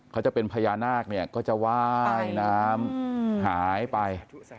เขาจะเป็นพญานาคเนี่ยก็จะว่ายน้ำหายไป